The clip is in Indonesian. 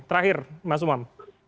terakhir mas umam